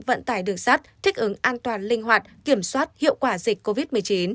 vận tải đường sắt thích ứng an toàn linh hoạt kiểm soát hiệu quả dịch covid một mươi chín